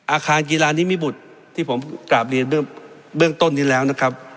อาคารกีฬานิมิบุตรที่ผมกราบเรียนเบื้องต้นนี้แล้วนะครับ